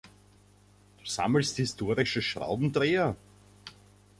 Du sammelst historische Schraubendreher?